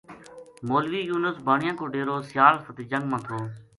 مولوی یونس بانیا کو ڈیرو سیال فتح جنگ ما تھو